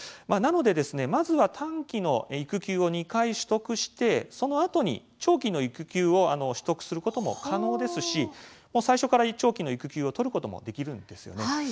なので、まずは短期の育休を２回取得してそのあとに長期の育休を取得することも可能ですし最初から長期の育休を取ることもできるんです。